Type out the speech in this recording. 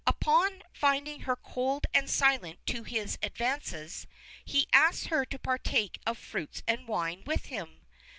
Upon finding her cold and silent to his advances, he asks her to partake of fruits and wine with him.